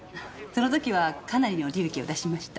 その時はかなりの利益を出しました。